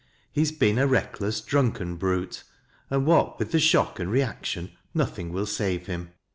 He has beea a i eckless, drunken brute, and what with thr shock and reaction nothing will save him.